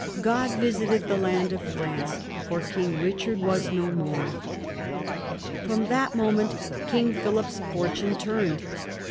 "God visited the land of France, for King Eichard was no more." From that moment King Philip's fortune turned.